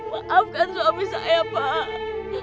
maafkan suami saya pak